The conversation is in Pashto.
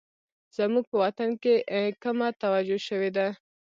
زموږ په وطن کې کمه توجه شوې ده